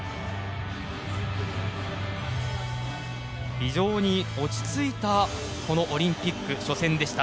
非常に落ち着いたこのオリンピック初戦でした。